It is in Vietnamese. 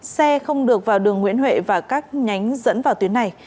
xe không được vào đường nguyễn huệ và các nhánh dẫn vào tuyến này